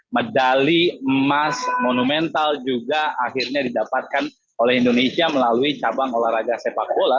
medali emas monumental juga akhirnya didapatkan oleh indonesia melalui cabang olahraga sepak bola